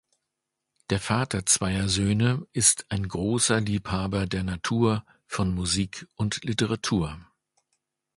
Der Vater zweier Söhne ist ein großer Liebhaber der Natur, von Musik und Literatur.